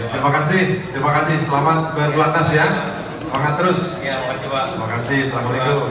terima kasih terima kasih selamat berlatas ya semangat terus terima kasih pak terima kasih assalamu'alaikum